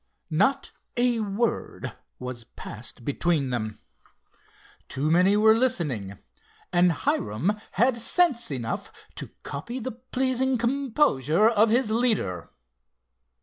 Not a word passed between them. Too many were listening, and Hiram had sense enough to copy the pleasing composure of his leader.